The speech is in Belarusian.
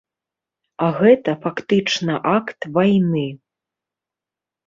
А гэта фактычна акт вайны.